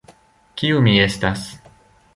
Kiu mi estas?